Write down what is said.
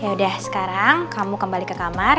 yaudah sekarang kamu kembali ke kamar